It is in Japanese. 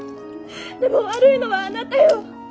でも悪いのはあなたよ。